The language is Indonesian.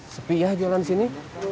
sepi ya jalan di sini